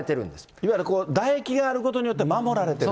いわゆるだ液があることによって、守られている？